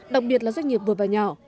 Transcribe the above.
đặc biệt là doanh nghiệp vừa và nhỏ